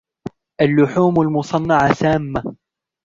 اللحوم المصنعة سامة.